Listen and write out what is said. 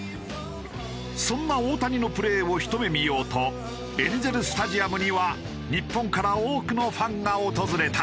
そんな大谷のプレーをひと目見ようとエンゼル・スタジアムには日本から多くのファンが訪れた。